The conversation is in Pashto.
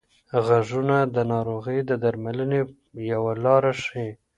غږونه د ناروغۍ د درملنې یوه لار ښيي.